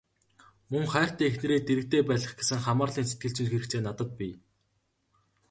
Мөн хайртай эхнэрээ дэргэдээ байлгах гэсэн хамаарлын сэтгэлзүйн хэрэгцээ надад бий.